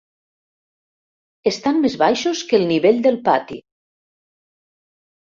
Estan més baixos que el nivell del pati.